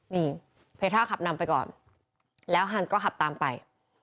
นี่เพท่าขับนำไปก่อนแล้วฮันส์ก็ขับตามไป